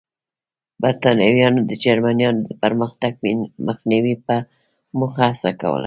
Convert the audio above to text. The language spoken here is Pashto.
برېټانویانو د جرمنییانو د پرمختګ مخنیوي په موخه هڅه کوله.